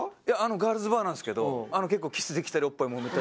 ガールズバーなんですけど結構キスできたりおっぱいもめたり。